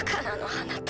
あなた。